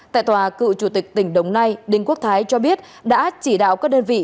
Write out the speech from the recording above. tại tòa cựu chủ tịch tỉnh đồng nai đinh quốc thái cho biết đã chỉ đạo các đơn vị